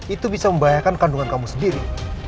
itu bisa membahayakan kandungan kamu sendiri